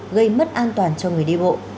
gây mất an toàn cho người đi bộ